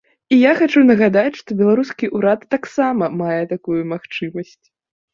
І я хачу нагадаць, што беларускі ўрад таксама мае такую магчымасць.